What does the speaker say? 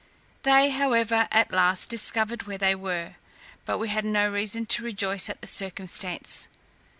They however at last discovered where they were, but we had no reason to rejoice at the circumstance.